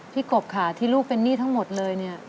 กบค่ะที่ลูกเป็นหนี้ทั้งหมดเลยเนี่ย